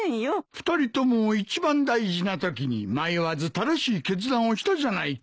２人とも一番大事なときに迷わず正しい決断をしたじゃないか。